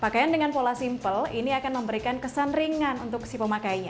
pakaian dengan pola simpel ini akan memberikan kesan ringan untuk si pemakainya